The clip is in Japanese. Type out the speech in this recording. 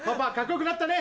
よくなったね？